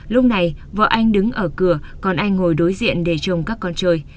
lúc này vợ anh đứng ở cửa còn anh ngồi đối diện để chồng các con trời